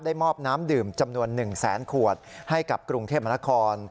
มอบน้ำดื่มจำนวน๑แสนขวดให้กับกรุงเทพมนาคม